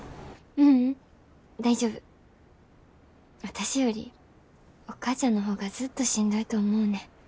私よりお母ちゃんの方がずっとしんどいと思うねん。